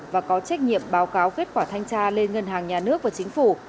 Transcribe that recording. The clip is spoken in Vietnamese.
và có trách nhiệm báo cáo kết quả thanh tra lên ngân hàng nhà nước và chính phủ